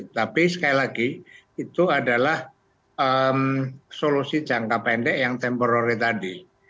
tapi sekali lagi itu adalah solusi jangka pendek yang temporary tadi